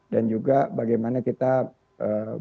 dan juga bagaimana kita mengembangkan